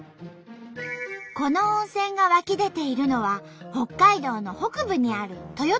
この温泉が湧き出ているのは北海道の北部にある豊富温泉。